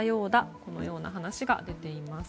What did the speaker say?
このような話が出ています。